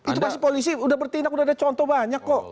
itu pasti polisi udah bertindak udah ada contoh banyak kok